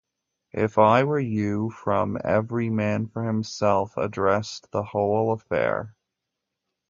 "If I Were You" from "Every Man for Himself" addressed the whole affair.